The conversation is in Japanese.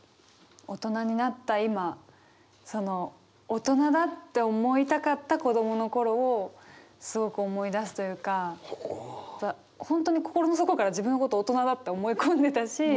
大人になった今その大人だって思いたかった子供の頃をすごく思い出すというか本当に心の底から自分のこと大人だって思い込んでたし。